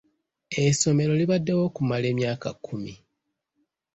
Essomero libaddewo okumala emyaka kkumi.